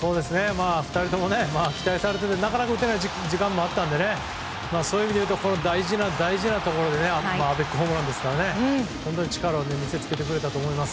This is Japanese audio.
２人とも期待されていてなかなか打てない時間もあったのでそういう意味で言うと大事なところでアベックホームラン力を見せてつけてくれたと思います。